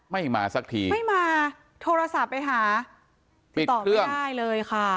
ไม่มาสักทีไม่มาโทรศัพท์ไปหาติดต่อไม่ได้เลยค่ะ